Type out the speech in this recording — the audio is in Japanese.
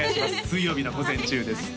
水曜日の午前中です